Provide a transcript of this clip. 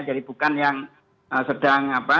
jadi bukan yang sedang apa